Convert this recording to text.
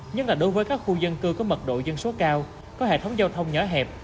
nhất là đối với các khu dân cư có mật độ dân số cao có hệ thống giao thông nhỏ hẹp